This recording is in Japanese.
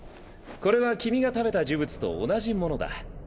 これは君が食べた呪物と同じものだ。